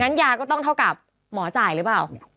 ยาก็ต้องเท่ากับหมอจ่ายหรือเปล่า